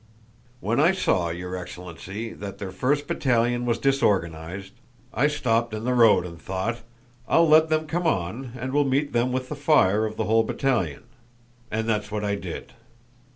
"When I saw, your excellency, that their first battalion was disorganized, I stopped in the road and thought: 'I'll let them come on and will meet them with the fire of the whole battalion'—and that's what I did."